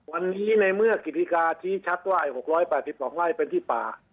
วันนี้ในเมื่อกิริกาชี้ชัดว่าไอ้๖๘๒ไร่เป็นที่ป่า